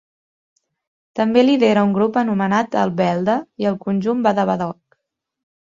També lidera un grup anomenat El Belda i el Conjunt Badabadoc.